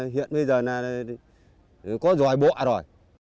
hiện bây giờ là có dòi bọa rồi